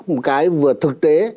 một cái vừa thực tế